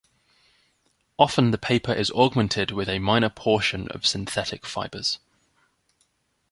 Often the paper is augmented with a minor portion of synthetic fibers.